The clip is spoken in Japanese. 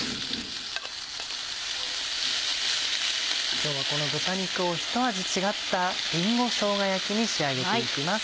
今日はこの豚肉をひと味違ったりんごしょうが焼きに仕上げていきます。